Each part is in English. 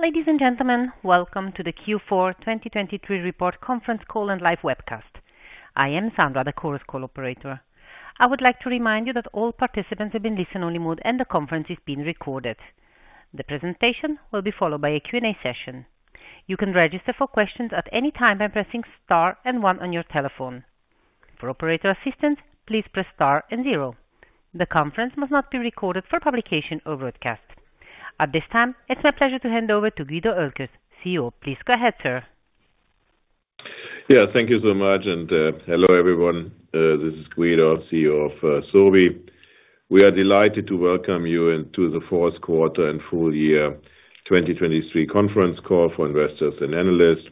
Ladies and gentlemen, welcome to the Q4 2023 report conference call and live webcast. I am Sandra, the Chorus Call operator. I would like to remind you that all participants have been listen-only mode and the conference is being recorded. The presentation will be followed by a Q&A session. You can register for questions at any time by pressing star and one on your telephone. For operator assistance, please press star and zero. The conference must not be recorded for publication or broadcast. At this time, it's my pleasure to hand over to Guido Oelkers, CEO. Please go ahead, sir. Yeah, thank you so much, and hello, everyone. This is Guido, CEO of Sobi. We are delighted to welcome you into the fourth quarter and full year 2023 conference call for investors and analysts.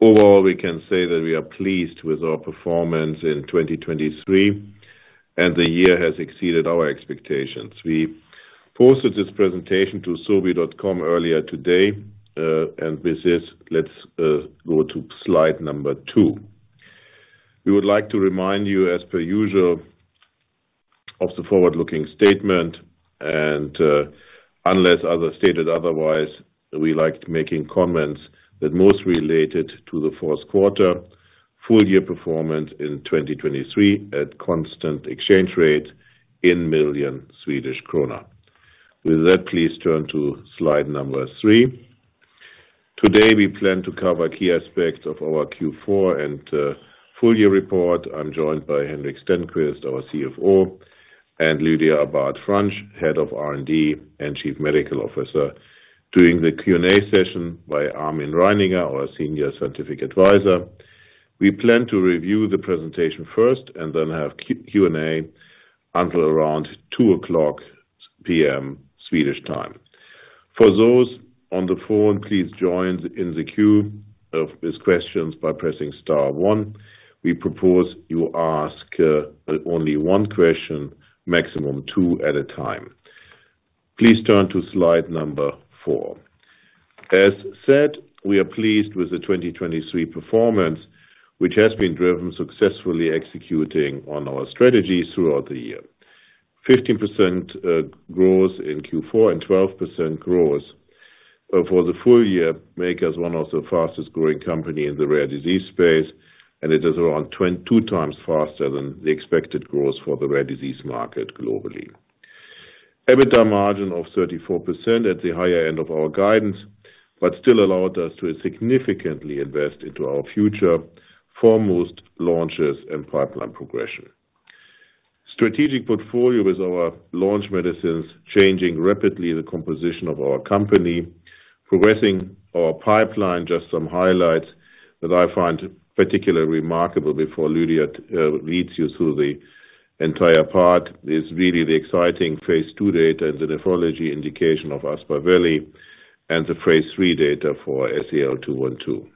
Overall, we can say that we are pleased with our performance in 2023, and the year has exceeded our expectations. We posted this presentation to sobi.com earlier today, and with this, let's go to slide number 2. We would like to remind you, as per usual, of the forward-looking statement, and unless otherwise stated, we like making comments that most related to the fourth quarter, full year performance in 2023 at constant exchange rate in million Swedish krona. With that, please turn to slide number 3. Today, we plan to cover key aspects of our Q4 and full year report. I'm joined by Henrik Stenqvist, our CFO, and Lydia Abad-Franch, Head of R&D and Chief Medical Officer, during the Q&A session by Armin Reininger, our Senior Scientific Advisor. We plan to review the presentation first and then have Q&A until around 2:00 P.M., Swedish time. For those on the phone, please join in the queue of these questions by pressing star one. We propose you ask only one question, maximum two at a time. Please turn to slide number 4. As said, we are pleased with the 2023 performance, which has been driven successfully executing on our strategies throughout the year. 15% growth in Q4 and 12% growth for the full year make us one of the fastest growing company in the rare disease space, and it is around 2 times faster than the expected growth for the rare disease market globally. EBITDA margin of 34% at the higher end of our guidance, but still allowed us to significantly invest into our future, foremost launches and pipeline progression. Strategic portfolio with our launch medicines, changing rapidly the composition of our company, progressing our pipeline. Just some highlights that I find particularly remarkable before Lydia leads you through the entire part is really the exciting phase II data and the nephrology indication of Aspaveli and the phase III data for SEL-212.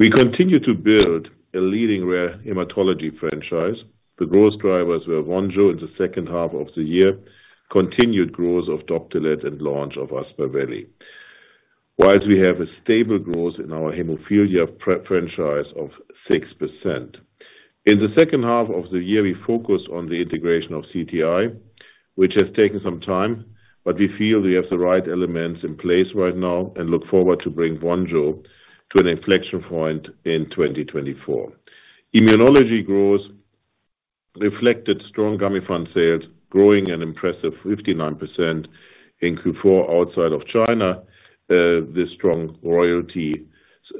We continue to build a leading rare hematology franchise. The growth drivers were Vonjo in the second half of the year, continued growth of Doptelet and launch of Aspaveli. While we have a stable growth in our hemophilia franchise of 6%. In the second half of the year, we focused on the integration of CTI, which has taken some time, but we feel we have the right elements in place right now and look forward to bring Vonjo to an inflection point in 2024. Immunology growth reflected strong Gamifant sales, growing an impressive 59% in Q4 outside of China. This strong royalty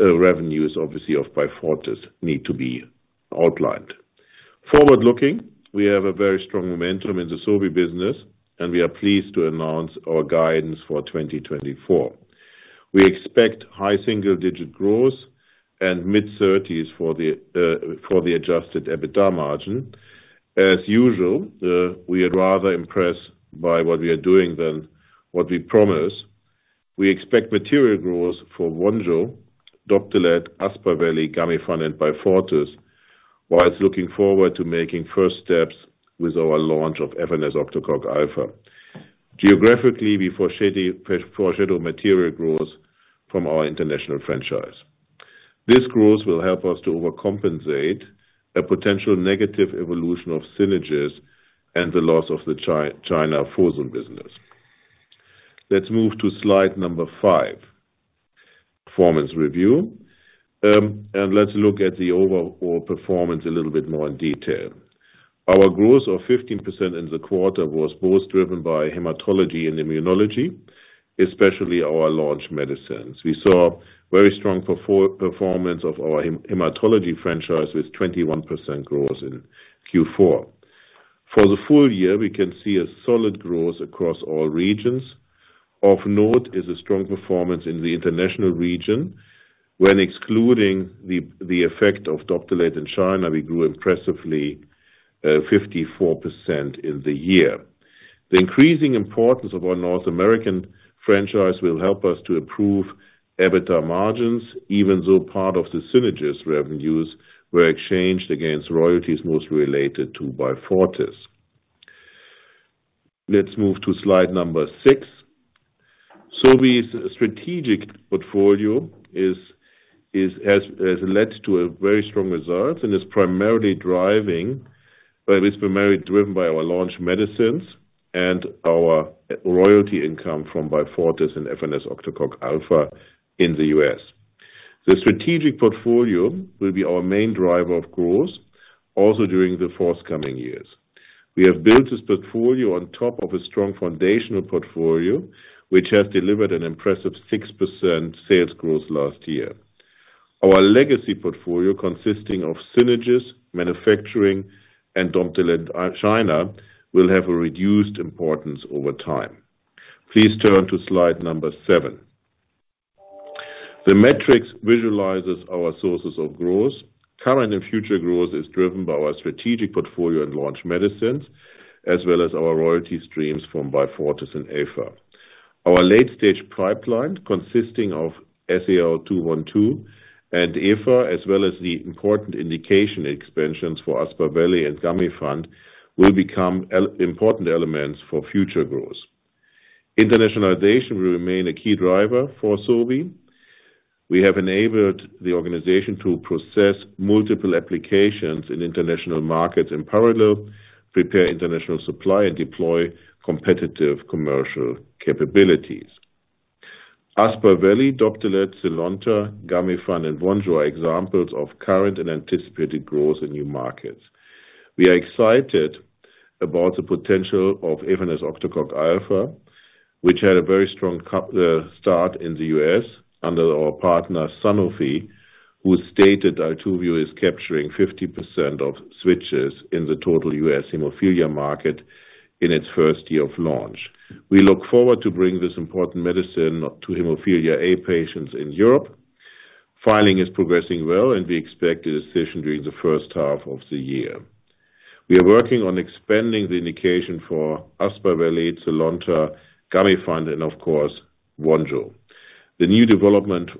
revenues, obviously of Beyfortus, need to be outlined. Forward-looking, we have a very strong momentum in the Sobi business, and we are pleased to announce our guidance for 2024. We expect high single-digit growth and mid-30s for the adjusted EBITDA margin. As usual, we are rather impressed by what we are doing than what we promise. We expect material growth for Vonjo, Doptelet, Aspaveli, Gamifant, and Beyfortus, while looking forward to making first steps with our launch of efanesoctocog alfa. Geographically, we foreshadow material growth from our international franchise. This growth will help us to overcompensate a potential negative evolution of synergies and the loss of the China Fosun business. Let's move to slide 5, performance review. And let's look at the overall performance a little bit more in detail. Our 15% growth in the quarter was both driven by hematology and immunology, especially our launch medicines. We saw very strong performance of our hematology franchise, with 21% growth in Q4. For the full year, we can see a solid growth across all regions. Of note is a strong performance in the international region, when excluding the effect of Doptelet in China, we grew impressively 54% in the year. The increasing importance of our North American franchise will help us to improve EBITDA margins, even though part of the synergies revenues were exchanged against royalties, mostly related to Beyfortus. Let's move to slide number 6. Sobi's strategic portfolio has led to a very strong result and is primarily driven by our launch medicines and our royalty income from Beyfortus and efanesoctocog alfa in the U.S. The strategic portfolio will be our main driver of growth, also during the forthcoming years. We have built this portfolio on top of a strong foundational portfolio, which has delivered an impressive 6% sales growth last year. Our legacy portfolio, consisting of synergies, manufacturing and Doptelet, China, will have a reduced importance over time. Please turn to slide number 7. The metrics visualizes our sources of growth. Current and future growth is driven by our strategic portfolio and launch medicines, as well as our royalty streams from Beyfortus and Efa. Our late-stage pipeline, consisting of SEL-212 and Efa, as well as the important indication expansions for Aspaveli and Gamifant, will become important elements for future growth. Internationalization will remain a key driver for Sobi. We have enabled the organization to process multiple applications in international markets in parallel, prepare international supply and deploy competitive commercial capabilities. Aspaveli, Doptelet, Zynlonta, Gamifant and Vonjo are examples of current and anticipated growth in new markets. We are excited about the potential of efanesoctocog alfa, which had a very strong start in the U.S. under our partner, Sanofi, who stated Altuviiio is capturing 50% of switches in the total U.S. hemophilia market in its first year of launch. We look forward to bring this important medicine to hemophilia A patients in Europe. Filing is progressing well, and we expect a decision during the first half of the year. We are working on expanding the indication for Aspaveli, Zynlonta, Gamifant and of course, Vonjo. The new development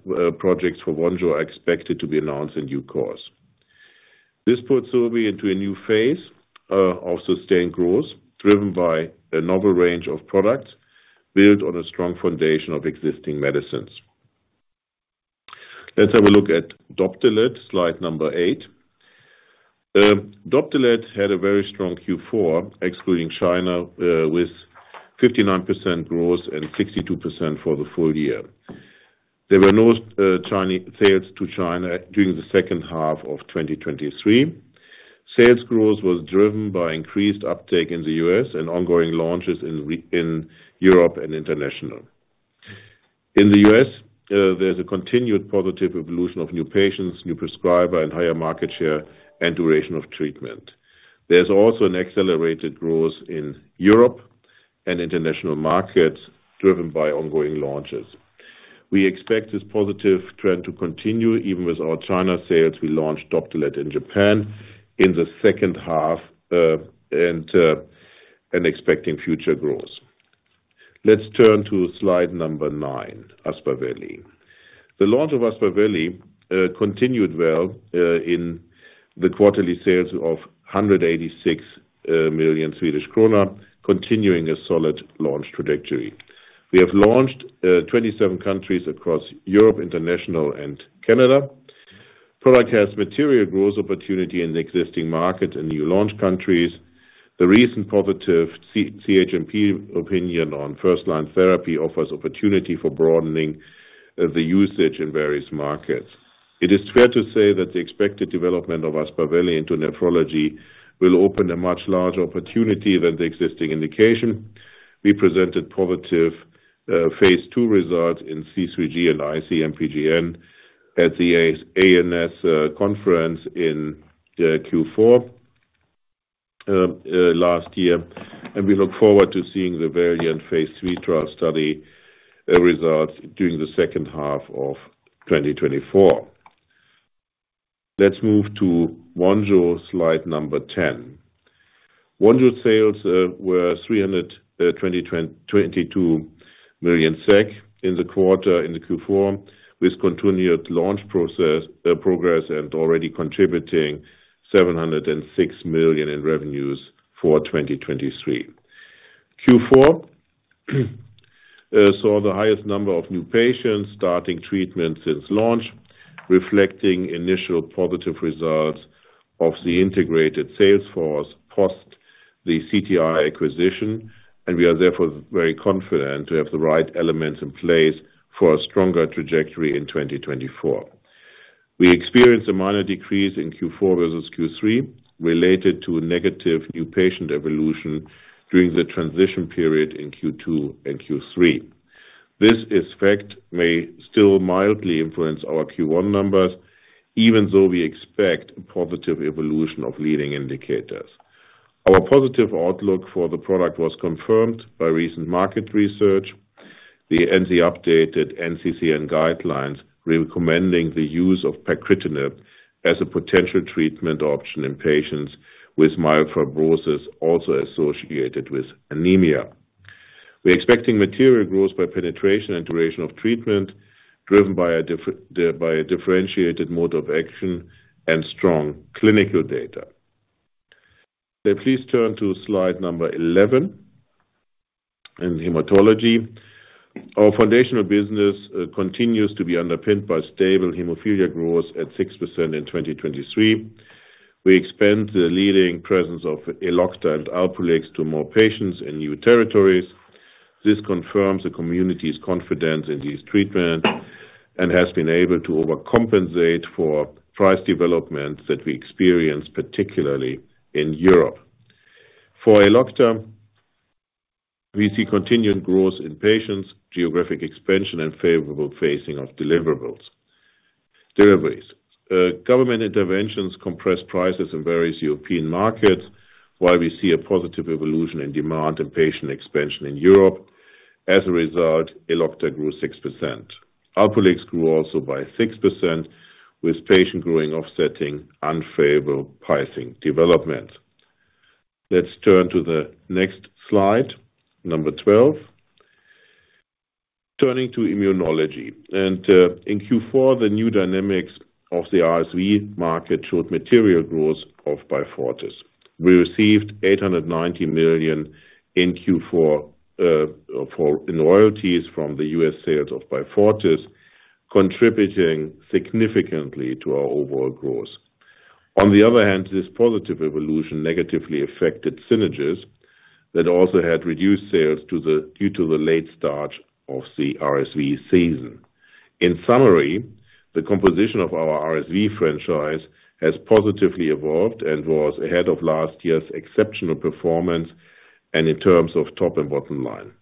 projects for Vonjo are expected to be announced in due course. This puts Sobi into a new phase of sustained growth, driven by a NOBLE range of products built on a strong foundation of existing medicines. Let's have a look at Doptelet, slide number 8. Doptelet had a very strong Q4, excluding China, with 59% growth and 62% for the full year. There were no Chinese sales to China during the second half of 2023. Sales growth was driven by increased uptake in the U.S. and ongoing launches in Europe and international. In the U.S., there's a continued positive evolution of new patients, new prescriber and higher market share and duration of treatment. There's also an accelerated growth in Europe and international markets driven by ongoing launches. We expect this positive trend to continue even with our China sales. We launched Doptelet in Japan in the second half and expecting future growth. Let's turn to slide number 9, Aspaveli. The launch of Aspaveli continued well in the quarterly sales of 186 million Swedish kronor, continuing a solid launch trajectory. We have launched 27 countries across Europe, International and Canada. Product has material growth opportunity in the existing market and new launch countries. The recent positive CHMP opinion on first-line therapy offers opportunity for broadening the usage in various markets. It is fair to say that the expected development of Aspaveli into nephrology will open a much larger opportunity than the existing indication. We presented positive phase II results in C3G and IC-MPGN at the ASN conference in Q4 last year, and we look forward to seeing the VALIANT phase III trial study results during the second half of 2024. Let's move to Vonjo, slide number 10. Vonjo sales were 322 million SEK in the quarter, in the Q4, with continued launch process progress and already contributing 706 million SEK in revenues for 2023. Q4 saw the highest number of new patients starting treatment since launch, reflecting initial positive results of the integrated sales force post the CTI acquisition, and we are therefore very confident to have the right elements in place for a stronger trajectory in 2024. We experienced a minor decrease in Q4 versus Q3, related to a negative new patient evolution during the transition period in Q2 and Q3. This effect may still mildly influence our Q1 numbers, even though we expect a positive evolution of leading indicators. Our positive outlook for the product was confirmed by recent market research. The NCCN-updated NCCN guidelines, recommending the use of pacritinib as a potential treatment option in patients with mild fibrosis, also associated with anemia. We're expecting material growth by penetration and duration of treatment, driven by a differentiated mode of action and strong clinical data. So please turn to slide number 11. In hematology, our foundational business, continues to be underpinned by stable hemophilia growth at 6% in 2023. We expand the leading presence of Elocta and Alprolix to more patients in new territories. This confirms the community's confidence in this treatment, and has been able to overcompensate for price developments that we experience, particularly in Europe. For Elocta, we see continued growth in patients, geographic expansion and favorable phasing of deliverables, deliveries. Government interventions compress prices in various European markets, while we see a positive evolution in demand and patient expansion in Europe. As a result, Elocta grew 6%. Alprolix grew also by 6%, with patient growing, offsetting unfavorable pricing development. Let's turn to the next slide, number 12. Turning to immunology in Q4, the new dynamics of the RSV market showed material growth of Beyfortus. We received $890 million in Q4 in royalties from the U.S. sales of Beyfortus, contributing significantly to our overall growth. On the other hand, this positive evolution negatively affected Synagis, that also had reduced sales due to the late start of the RSV season. In summary, the composition of our RSV franchise has positively evolved and was ahead of last year's exceptional performance, and in terms of top and bottom line.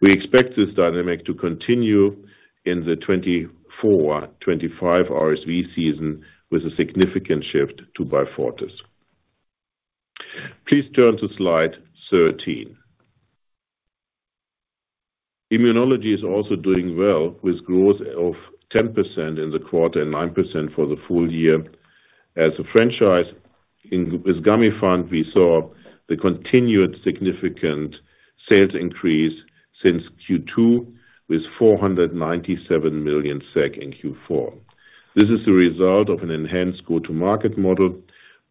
We expect this dynamic to continue in the 2024-2025 RSV season, with a significant shift to Beyfortus. Please turn to slide 13. Immunology is also doing well, with growth of 10% in the quarter and 9% for the full year. As a franchise with Gamifant, we saw the continued significant sales increase since Q2, with 497 million SEK in Q4. This is the result of an enhanced go-to-market model,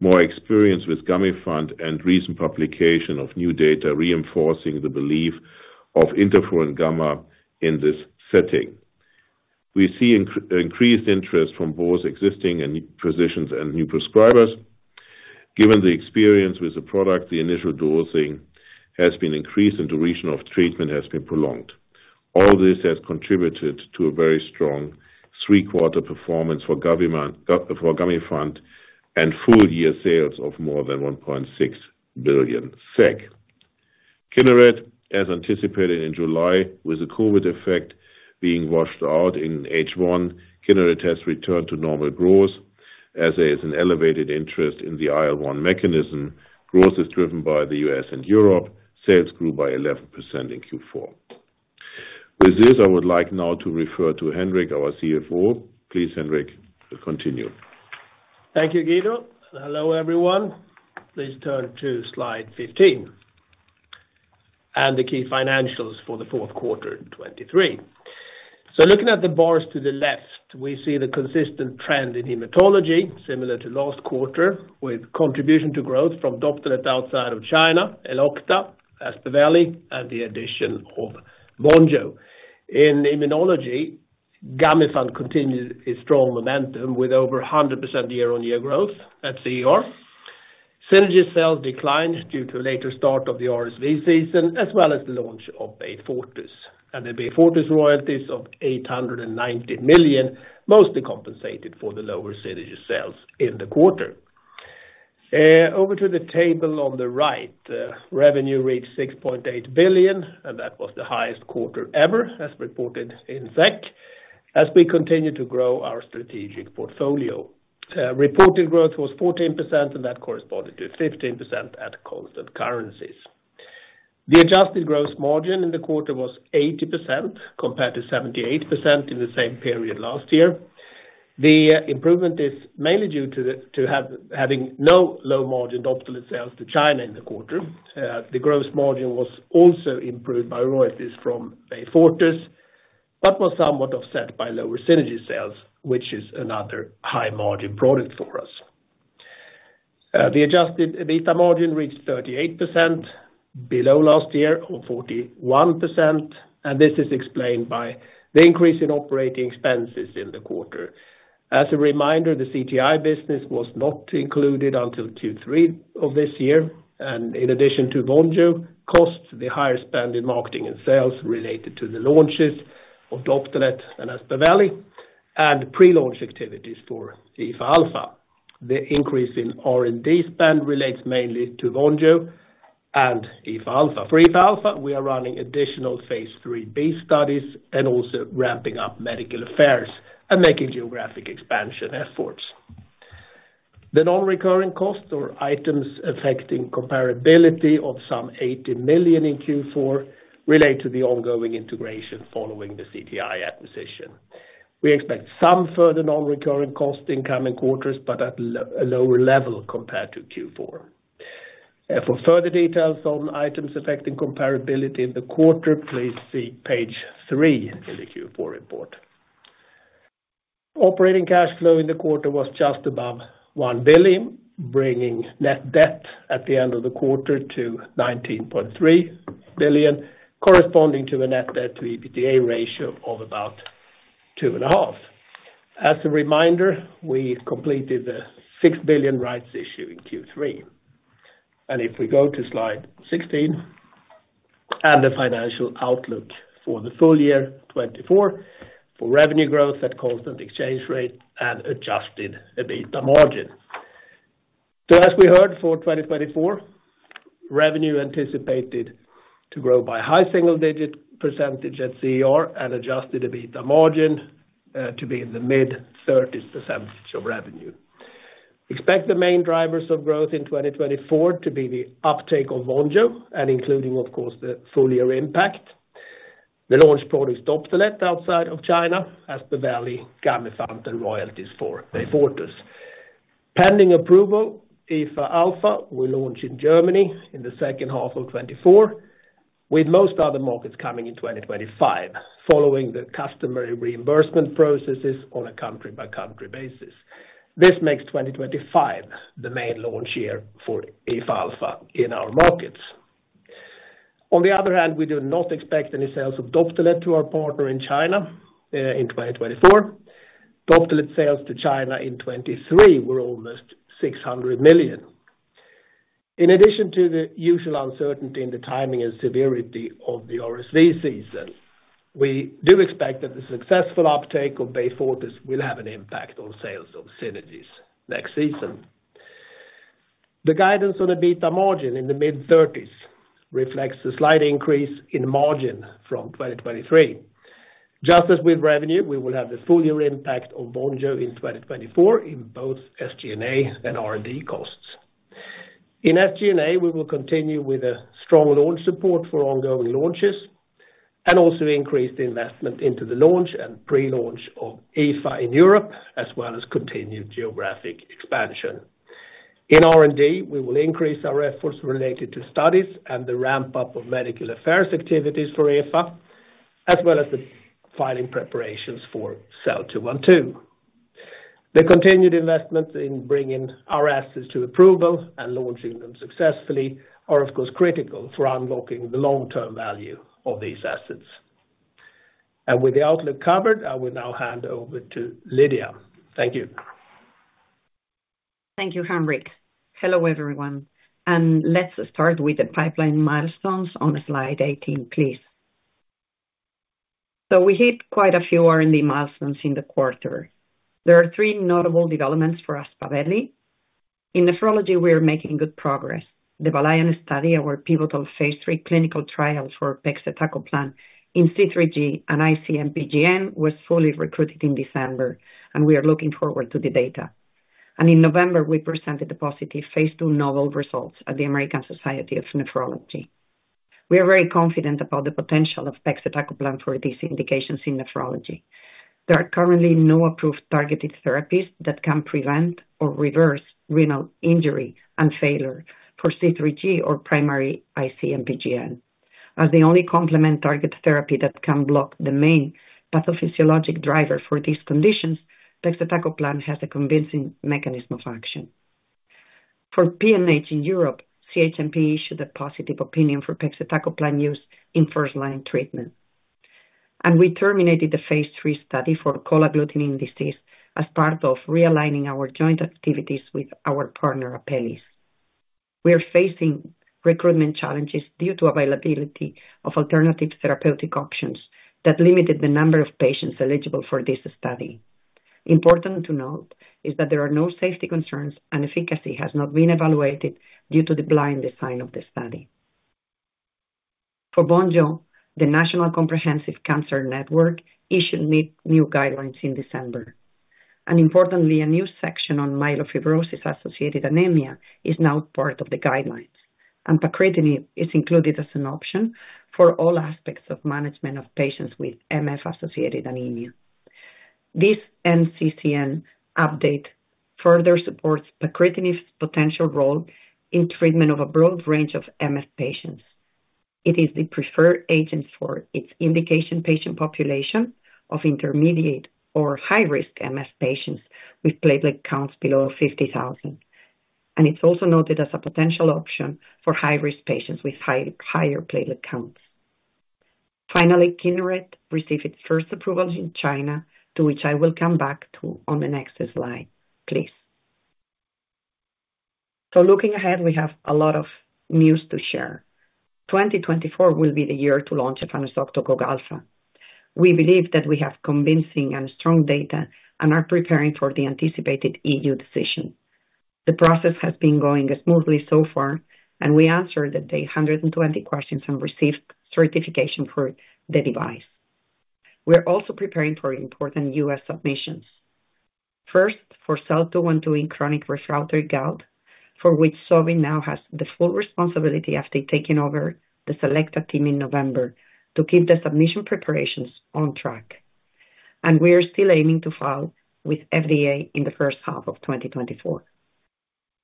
more experience with Gamifant, and recent publication of new data, reinforcing the belief of interferon gamma in this setting. We see increased interest from both existing and new physicians and new prescribers. Given the experience with the product, the initial dosing has been increased, and duration of treatment has been prolonged. All this has contributed to a very strong three-quarter performance for Gamifant, and full year sales of more than 1.6 billion SEK. Kineret, as anticipated in July, with the COVID effect being washed out in H1, Kineret has returned to normal growth, as there is an elevated interest in the IL-1 mechanism. Growth is driven by the U.S. and Europe. Sales grew by 11% in Q4. With this, I would like now to refer to Henrik, our CFO. Please, Henrik, continue. Thank you, Guido, and hello, everyone. Please turn to slide 15, and the key financials for the fourth quarter in 2023. So looking at the bars to the left, we see the consistent trend in hematology, similar to last quarter, with contribution to growth from Doptelet outside of China, Elocta, Aspaveli, and the addition of Vonjo. In immunology, Gamifant continues its strong momentum with over 100% year-on-year growth at CER. Synagis sales declined due to later start of the RSV season, as well as the launch of Beyfortus. And the Beyfortus royalties of 890 million mostly compensated for the lower Synagis sales in the quarter. Over to the table on the right, revenue reached 6.8 billion, and that was the highest quarter ever, as reported in SEK, as we continue to grow our strategic portfolio. Reported growth was 14%, and that corresponded to 15% at constant currencies. The adjusted gross margin in the quarter was 80%, compared to 78% in the same period last year. The improvement is mainly due to having no low-margin Doptelet sales to China in the quarter. The gross margin was also improved by royalties from Beyfortus, but was somewhat offset by lower Synagis sales, which is another high-margin product for us. The adjusted EBITDA margin reached 38%, below last year of 41%, and this is explained by the increase in operating expenses in the quarter. As a reminder, the CTI business was not included until Q3 of this year, and in addition to Vonjo costs, the higher spend in marketing and sales related to the launches of Doptelet and Aspaveli, and pre-launch activities for efanesoctocog alfa. The increase in R&D spend relates mainly to Vonjo and efanesoctocog alfa. For efanesoctocog alfa, we are running additional phase IIIb studies and also ramping up medical affairs and making geographic expansion efforts. The non-recurring costs or items affecting comparability of some 80 million in Q4 relate to the ongoing integration following the CTI acquisition. We expect some further non-recurring costs in coming quarters, but at a lower level compared to Q4. For further details on items affecting comparability in the quarter, please see page 3 in the Q4 report. Operating cash flow in the quarter was just above 1 billion, bringing net debt at the end of the quarter to 19.3 billion, corresponding to a net debt to EBITDA ratio of about 2.5. As a reminder, we completed the 6 billion rights issue in Q3. If we go to slide 16, and the financial outlook for the full year 2024, for revenue growth at constant exchange rate and adjusted EBITDA margin. So as we heard, for 2024, revenue anticipated to grow by high single-digit percentage at CER and adjusted EBITDA margin to be in the mid-30s% of revenue. Expect the main drivers of growth in 2024 to be the uptake of Vonjo and including, of course, the full year impact. The launch products Doptelet outside of China, Aspaveli, Gamifant and royalties for Beyfortus. Pending approval, Efa alpha will launch in Germany in the second half of 2024, with most other markets coming in 2025, following the customary reimbursement processes on a country-by-country basis. This makes 2025 the main launch year for Efa alpha in our markets. On the other hand, we do not expect any sales of Doptelet to our partner in China in 2024. Doptelet sales to China in 2023 were almost 600 million. In addition to the usual uncertainty in the timing and severity of the RSV season, we do expect that the successful uptake of Beyfortus will have an impact on sales of Synagis next season. The guidance on EBITDA margin in the mid-30s% reflects a slight increase in margin from 2023. Just as with revenue, we will have the full year impact of Vonjo in 2024 in both SG&A and R&D costs. In SG&A, we will continue with a strong launch support for ongoing launches and also increase the investment into the launch and pre-launch of Efa in Europe, as well as continued geographic expansion. In R&D, we will increase our efforts related to studies and the ramp-up of medical affairs activities for Efa, as well as the filing preparations for SEL-212. The continued investment in bringing our assets to approval and launching them successfully are, of course, critical for unlocking the long-term value of these assets. With the outlook covered, I will now hand over to Lydia. Thank you. Thank you, Henrik. Hello, everyone. Let's start with the pipeline milestones on slide 18, please. So we hit quite a few R&D milestones in the quarter. There are three notable developments for Aspaveli. In nephrology, we are making good progress. The VALIANT study, our pivotal phase III clinical trials for pegcetacoplan in C3G and IC-MPGN, was fully recruited in December, and we are looking forward to the data. In November, we presented the positive phase II novel results at the American Society of Nephrology. We are very confident about the potential of pegcetacoplan for these indications in nephrology. There are currently no approved targeted therapies that can prevent or reverse renal injury and failure for C3G or primary IC-MPGN. As the only complement target therapy that can block the main pathophysiologic driver for these conditions, pegcetacoplan has a convincing mechanism of action. For PNH in Europe, CHMP issued a positive opinion for pegcetacoplan use in first-line treatment. We terminated the phase III study for C3G as part of realigning our joint activities with our partner, Apellis. We are facing recruitment challenges due to availability of alternative therapeutic options that limited the number of patients eligible for this study. Important to note is that there are no safety concerns, and efficacy has not been evaluated due to the blind design of the study. For Vonjo, the National Comprehensive Cancer Network issued new guidelines in December. Importantly, a new section on myelofibrosis-associated anemia is now part of the guidelines, and pacritinib is included as an option for all aspects of management of patients with MF-associated anemia. This NCCN update further supports pacritinib's potential role in treatment of a broad range of MF patients. It is the preferred agent for its indication patient population of intermediate or high-risk MF patients with platelet counts below 50,000. It's also noted as a potential option for high-risk patients with higher platelet counts. Finally, Kineret received its first approval in China, to which I will come back to on the next slide, please. Looking ahead, we have a lot of news to share. 2024 will be the year to launch efanesoctocog alfa. We believe that we have convincing and strong data and are preparing for the anticipated E.U. decision. The process has been going smoothly so far, and we answered the 120 questions and received certification for the device. We are also preparing for important U.S. submissions. First, for SEL-212 in chronic refractory gout, for which Sobi now has the full responsibility after taking over the Selecta team in November to keep the submission preparations on track. We are still aiming to file with FDA in the first half of 2024.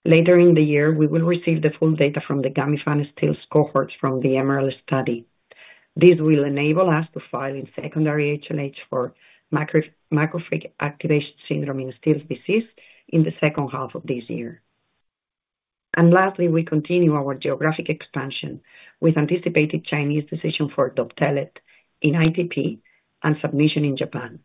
Later in the year, we will receive the full data from the Gamifant Still's cohorts from the MAS study. This will enable us to file in secondary HLH for macrophage activation syndrome in Still's disease in the second half of this year. Lastly, we continue our geographic expansion with anticipated Chinese decision for Doptelet in ITP and submission in Japan.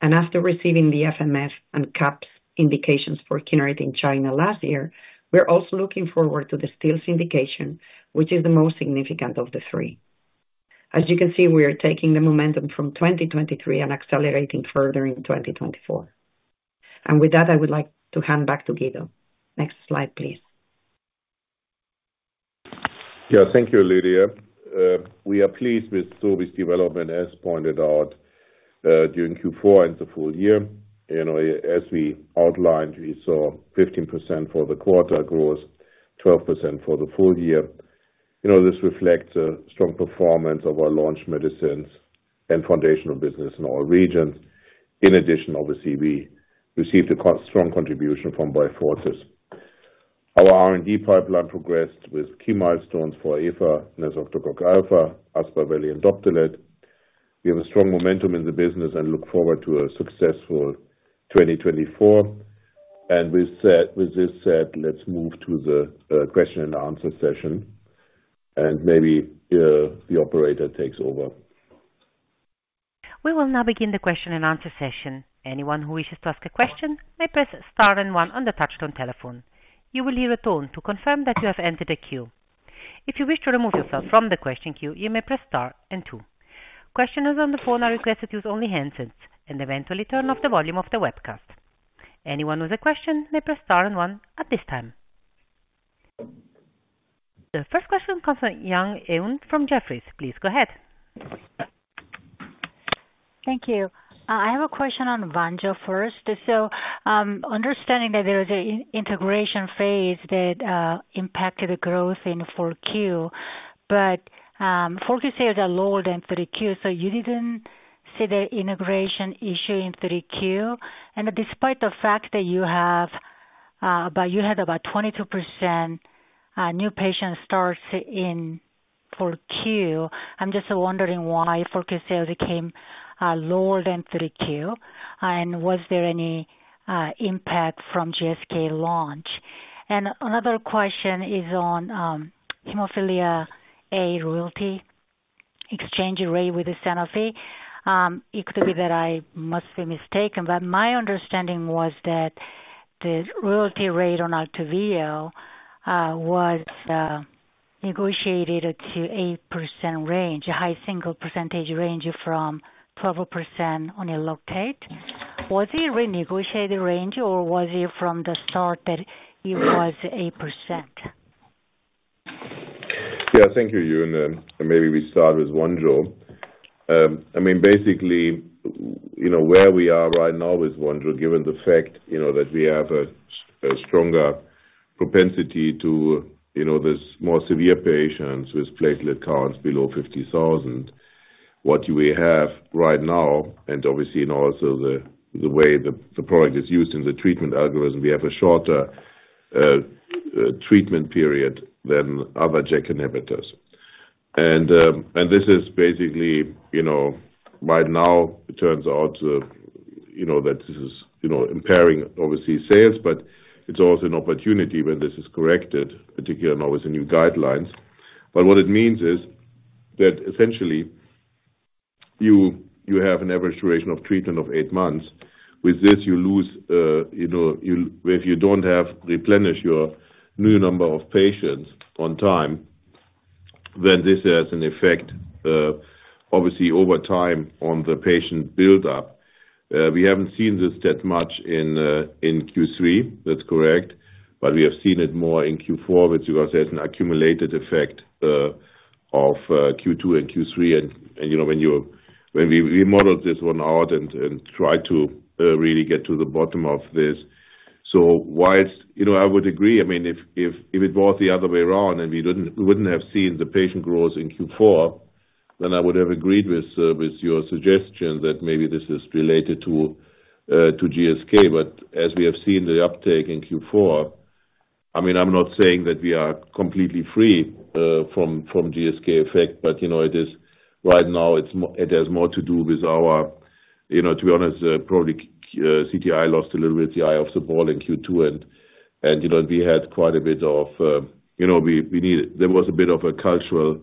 After receiving the FMF and CAPS indications for Kineret in China last year, we're also looking forward to the Still's indication, which is the most significant of the three. As you can see, we are taking the momentum from 2023 and accelerating further in 2024. With that, I would like to hand back to Guido. Next slide, please. Yeah, thank you, Lydia. We are pleased with Sobi's development, as pointed out, during Q4 and the full year. You know, as we outlined, we saw 15% for the quarter growth, 12% for the full year. You know, this reflects a strong performance of our launch medicines and foundational business in all regions. In addition, obviously, we received a strong contribution from Beyfortus. Our R&D pipeline progressed with key milestones for efanesoctocog alfa, Aspaveli, and Doptelet. We have a strong momentum in the business and look forward to a successful 2024. With that said, let's move to the question and answer session, and maybe the operator takes over. We will now begin the question and answer session. Anyone who wishes to ask a question may press star and one on the touchtone telephone. You will hear a tone to confirm that you have entered the queue. If you wish to remove yourself from the question queue, you may press star and two. Questioners on the phone are requested to use only handsets and eventually turn off the volume of the webcast. Anyone with a question may press star and one at this time. The first question comes from Yang Eun from Jefferies. Please go ahead. Thank you. I have a question on Vonjo first. So, understanding that there is a integration phase that impacted the growth in Q4, but Q4 sales are lower than Q3, so you didn't see the integration issue in Q3. And despite the fact that you have, but you had about 22% new patient starts in Q4, I'm just wondering why Q4 sales became lower than Q3. And was there any impact from GSK launch? And another question is on hemophilia A royalty exchange rate with the Sanofi. It could be that I must be mistaken, but my understanding was that the royalty rate on Altuviiio was negotiated to 8% range, a high single percentage range from 12% on Eloctate. Was it a renegotiated range, or was it from the start that it was 8%? Yeah, thank you, Eun. Maybe we start with Vonjo. I mean, basically, you know, where we are right now with Vonjo, given the fact, you know, that we have a stronger propensity to, you know, this more severe patients with platelet counts below 50,000. What we have right now, and obviously, you know, also the way the product is used in the treatment algorithm, we have a shorter treatment period than other JAK inhibitors. This is basically, you know, right now it turns out that this is, you know, impairing obviously sales, but it's also an opportunity when this is corrected, particularly now with the new guidelines. But what it means is that essentially, you have an average duration of treatment of eight months. With this, you lose, you know, you, if you don't have replenish your new number of patients on time, then this has an effect, obviously, over time on the patient buildup. We haven't seen this that much in Q3. That's correct. But we have seen it more in Q4, which you guys has an accumulated effect of Q2 and Q3. And, you know, when we modeled this one out and tried to really get to the bottom of this. So whilst, you know, I would agree, I mean, if it was the other way around and we didn't wouldn't have seen the patient growth in Q4, then I would have agreed with your suggestion that maybe this is related to GSK. But as we have seen the uptake in Q4, I mean, I'm not saying that we are completely free from the GSK effect, but you know, it is right now, it's more, it has more to do with our, you know, to be honest, probably CTI took our eye off the ball in Q2, and you know, we had quite a bit of, you know, we needed, there was a bit of a cultural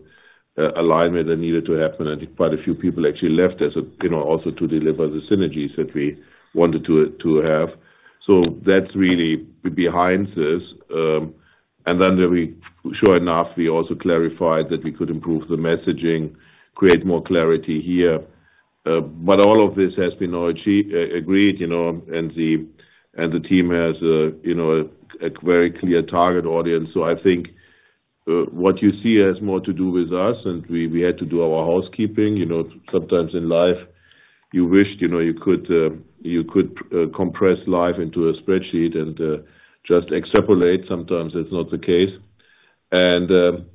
alignment that needed to happen, and quite a few people actually left as you know, also to deliver the synergies that we wanted to have. So that's really behind this. And then, sure enough, we also clarified that we could improve the messaging, create more clarity here. But all of this has been all achieved, agreed, you know, and the, and the team has a, you know, a very clear target audience. So I think what you see has more to do with us, and we, we had to do our housekeeping. You know, sometimes in life you wish, you know, you could, you could compress life into a spreadsheet and just extrapolate. Sometimes that's not the case. And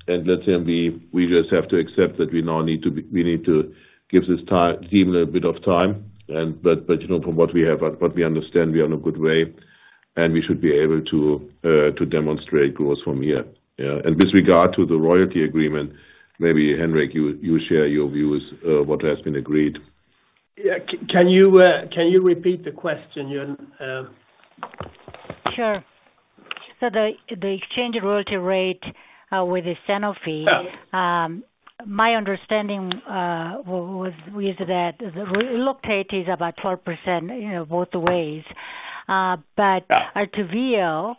let's say we, we just have to accept that we now need to give this team a bit of time. But, but, you know, from what we have, what we understand, we are in a good way, and we should be able to demonstrate growth from here. Yeah. With regard to the royalty agreement, maybe, Henrik, you share your views, what has been agreed. Yeah. Can you repeat the question? Sure. So the exchange royalty rate with the Sanofi- Yeah. My understanding was that the Eloctate is about 12%, you know, both ways. But- Yeah. Altuviiio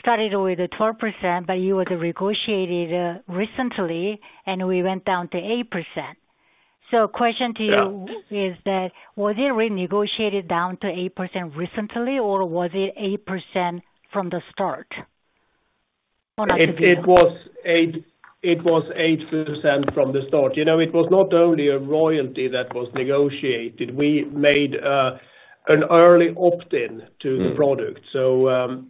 started with the 12%, but you were negotiated recently, and we went down to 8%. So question to you- Yeah.... is that was it renegotiated down to 8% recently, or was it 8% from the start? On Altuviiio. It was 8% from the start. You know, it was not only a royalty that was negotiated. We made an early opt-in to the product. Mm-hmm.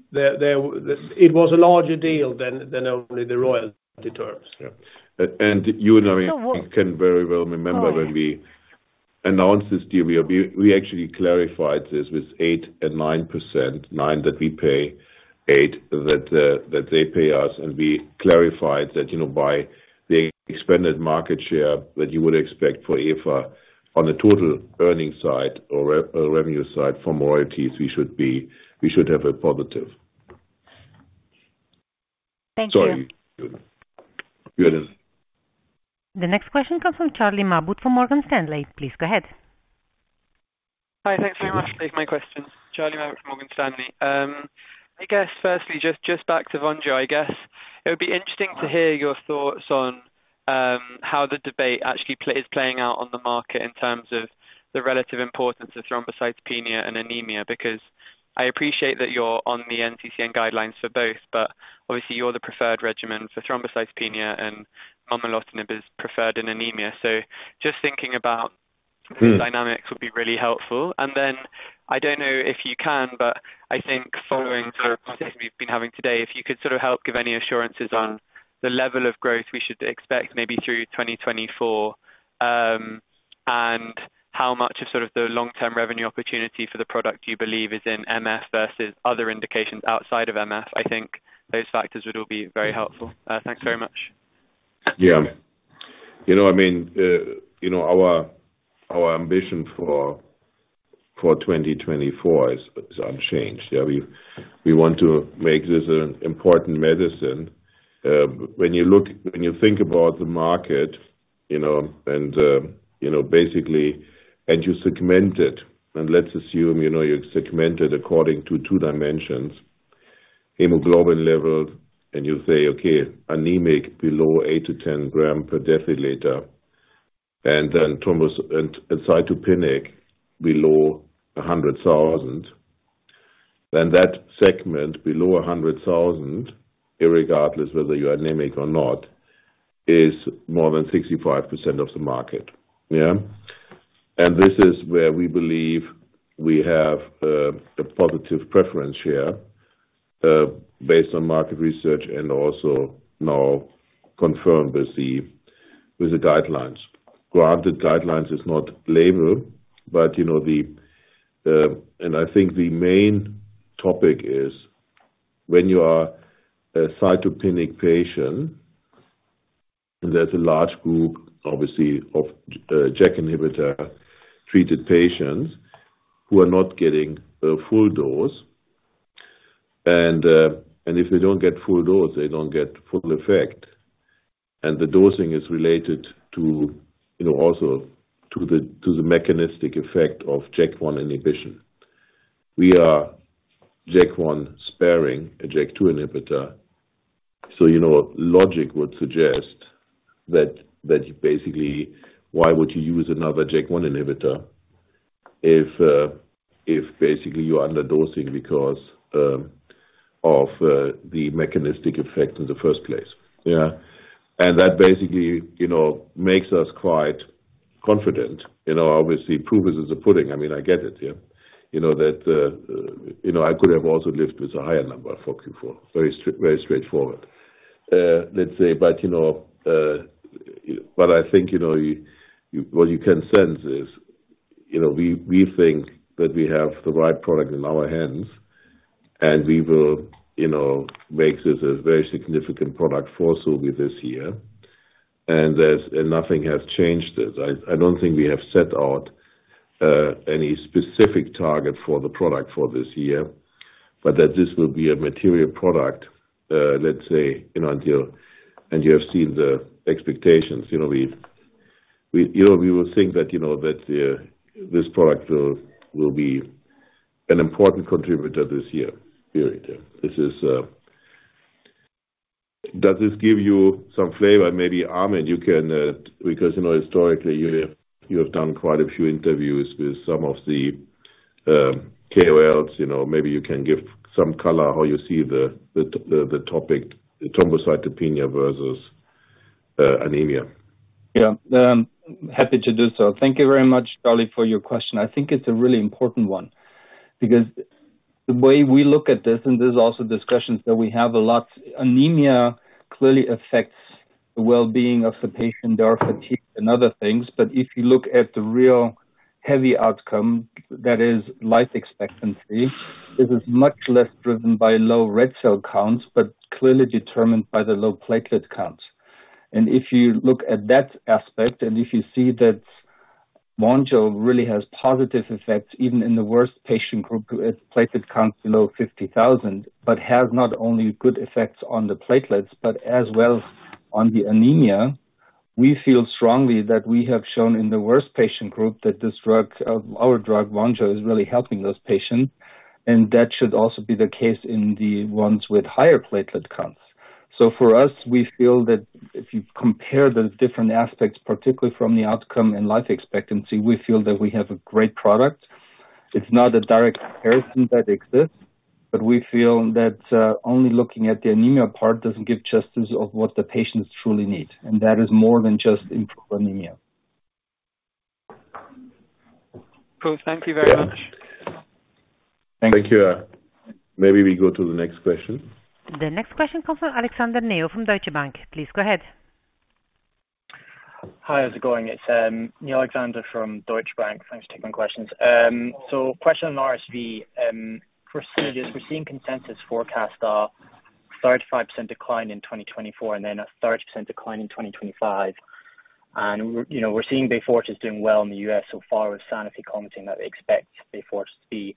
It was a larger deal than only the royalty terms. Yeah. And you and I can very well remember- Sorry. When we announced this deal, we actually clarified this with 8% and 9%. Nine, that we pay, eight that they pay us. And we clarified that, you know, by the expanded market share that you would expect for Afa on the total earnings side or revenue side from royalties, we should be, we should have a positive. Thank you. Sorry. Good. The next question comes from Charlie Maybury from Morgan Stanley. Please go ahead. Hi, thanks very much for taking my question. Charlie Maybury, from Morgan Stanley. I guess firstly, just back to Vonjo. I guess it would be interesting to hear your thoughts on how the debate actually is playing out on the market in terms of the relative importance of thrombocytopenia and anemia, because I appreciate that you're on the NCCN guidelines for both, but obviously you're the preferred regimen for thrombocytopenia and momelotinib is preferred in anemia. So just thinking about- Mm. The dynamics would be really helpful. And then I don't know if you can, but I think following the conversation we've been having today, if you could sort of help give any assurances on the level of growth we should expect, maybe through 2024, and how much of sort of the long-term revenue opportunity for the product you believe is in MF versus other indications outside of MF, I think those factors would all be very helpful. Thanks very much. Yeah. You know what I mean, you know, our, our ambition for 2024 is, is unchanged. Yeah, we, we want to make this an important medicine. When you look... When you think about the market, you know, and, you know, basically, and you segment it, and let's assume, you know, you segment it according to two dimensions, hemoglobin level, and you say, okay, anemic below 8-10 grams per deciliter, and then thrombocytopenic below 100,000, then that segment below 100,000, irregardless whether you are anemic or not, is more than 65% of the market. Yeah. And this is where we believe we have, a positive preference share, based on market research and also now confirmed with the, with the guidelines. Granted, guidelines is not label, but, you know, the, and I think the main topic is when you are a cytopenic patient, and there's a large group, obviously, of, JAK inhibitor-treated patients who are not getting a full dose, and, and if they don't get full dose, they don't get full effect. And the dosing is related to, you know, also to the, to the mechanistic effect of JAK1 inhibition. We are JAK1 sparing a JAK2 inhibitor. So, you know, logic would suggest that, that basically, why would you use another JAK1 inhibitor if, if basically you're underdosing because, of, the mechanistic effect in the first place? Yeah. And that basically, you know, makes us quite confident. You know, obviously, proof is in the pudding. I mean, I get it, yeah. You know, that, you know, I could have also lived with a higher number for Q4. Very straightforward. Let's say, but, you know, but I think, you know, you, what you can sense is, you know, we, we, we think that we have the right product in our hands, and we will, you know, make this a very significant product also with this year, and there's, and nothing has changed this. I, I don't think we have set out, any specific target for the product for this year, but that this will be a material product, let's say, you know, until... And you have seen the expectations, you know, we, we, you know, we will think that, you know, that, this product will, will be an important contributor this year. Period. This is... Does this give you some flavor? Maybe, Armand, you can, because, you know, historically you have done quite a few interviews with some of the KOLs. You know, maybe you can give some color how you see the topic, thrombocytopenia versus anemia. Yeah, happy to do so. Thank you very much, Charlie, for your question. I think it's a really important one, because the way we look at this, and there's also discussions that we have a lot, anemia clearly affects the well-being of the patient, their fatigue and other things. But if you look at the real heavy outcome, that is life expectancy, this is much less driven by low red cell counts, but clearly determined by the low platelet counts. And if you look at that aspect, and if you see that Vonjo really has positive effects, even in the worst patient group, with platelet counts below 50,000, but has not only good effects on the platelets, but as well on the anemia, we feel strongly that we have shown in the worst patient group that this drug, our drug, Vonjo, is really helping those patients, and that should also be the case in the ones with higher platelet counts. So for us, we feel that if you compare the different aspects, particularly from the outcome and life expectancy, we feel that we have a great product. It's not a direct comparison that exists, but we feel that only looking at the anemia part doesn't give justice of what the patients truly need, and that is more than just improving anemia. Cool. Thank you very much. Thank you. Maybe we go to the next question. The next question comes from Neil Alexander from Deutsche Bank. Please go ahead. Hi, how's it going? It's Neil Alexander from Deutsche Bank. Thanks for taking my questions. So question on RSV. We're seeing consensus forecast a 35% decline in 2024 and then a 30% decline in 2025. And, you know, we're seeing Beyfortus doing well in the U.S. so far, with Sanofi commenting that they expect Beyfortus to be